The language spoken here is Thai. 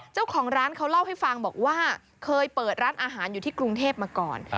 เจ้าของร้านเขาเล่าให้ฟังบอกว่าเคยเปิดร้านอาหารอยู่ที่กรุงเทพมาก่อน